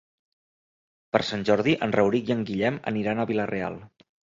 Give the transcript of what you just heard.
Per Sant Jordi en Rauric i en Guillem aniran a Vila-real.